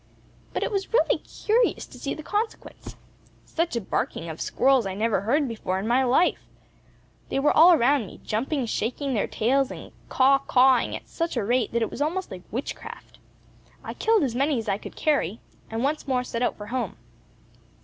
But it was really curious to see the consequence. Such a barking of squirrels I never heard before in my life. They were all around me, jumping, shaking their tails, and quaw quawing at such a rate, that it was almost like witchcraft. I killed as many as I could carry, and once more set out for home.